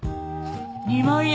２万円？